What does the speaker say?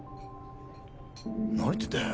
何言ってんだよ